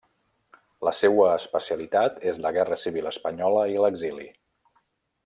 La seua especialitat és la Guerra Civil espanyola i l'exili.